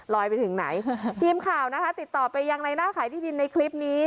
ไปถึงไหนทีมข่าวนะคะติดต่อไปยังในหน้าขายที่ดินในคลิปนี้